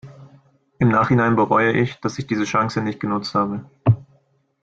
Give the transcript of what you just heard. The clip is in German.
Im Nachhinein bereue ich, dass ich diese Chance nicht genutzt habe.